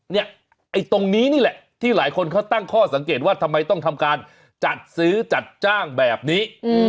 ไอ้ตรงนี้นี่แหละที่หลายคนเขาตั้งข้อสังเกตว่าทำไมต้องทำการจัดซื้อจัดจ้างแบบนี้